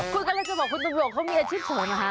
คุณกำลังจะบอกคุณตำรวจเขามีอาชีพขนเหรอคะ